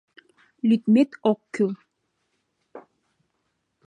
Лӱдмет ок кӱл.